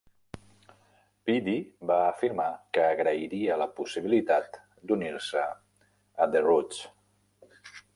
Peedi va afirmar que agrairia la possibilitat d'unir-se a The Roots.